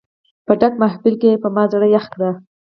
په ډک محفل کې یې په ما زړه یخ کړ.